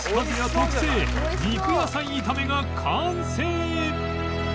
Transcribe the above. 特製肉野菜炒めが完成！